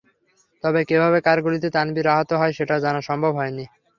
তবে কীভাবে, কার গুলিতে তানভির আহত হয়, সেটা জানা সম্ভব হয়নি।